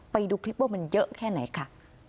ไปดูคลิปว่ามันเยอะแค่ไหนค่ะ